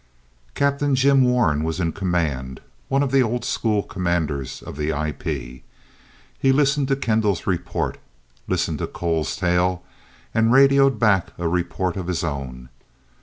Captain Jim Warren was in command, one of the old school commanders of the IP. He listened to Kendall's report, listened to Cole's tale and radioed back a report of his own.